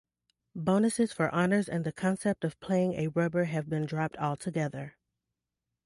Bonuses for honors and the concept of playing a rubber have been dropped altogether.